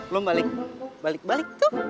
lo balik balik tuh